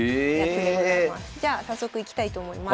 じゃあ早速いきたいと思います。